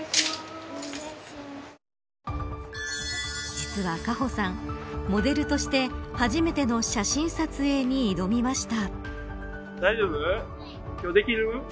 実は、果歩さんモデルとして初めての写真撮影に挑みました。